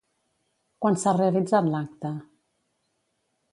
Quan s'ha realitzat l'acte?